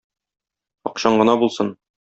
Акчаң гына булсын.